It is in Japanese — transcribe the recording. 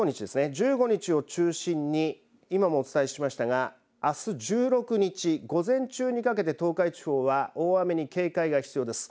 １５日を中心に今もお伝えしましたがあす１６日午前中にかけて東海地方は大雨に警戒が必要です。